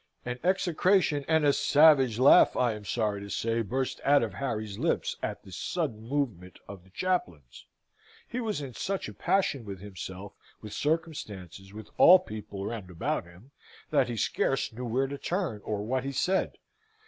An execration and a savage laugh, I am sorry to say, burst out of Harry's lips at this sudden movement of the chaplain's. He was in such a passion with himself, with circumstances, with all people round about him, that he scarce knew where to turn, or what he said.